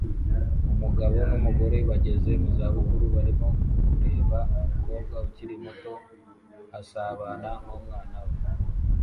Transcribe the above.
Umugabo n'umugore bageze mu zabukuru barimo kureba umukobwa ukiri muto asabana n'umwana we